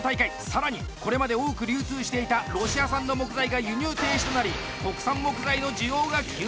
さらにこれまで多く流通していたロシア産の木材が輸入停止となり国産木材の需要が急増中。